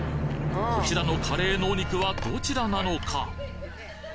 こちらのカレーのお肉はどちらなのか？